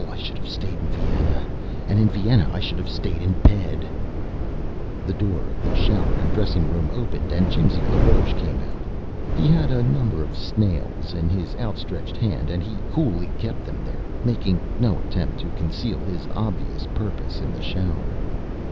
I should have stayed in Vienna. And in Vienna I should have stood in bed." The door of the shower and dressing room opened and Jimsy LaRoche came out. He had a number of snails in his out stretched hand and he coolly kept them there, making no attempt to conceal his obvious purpose in the shower.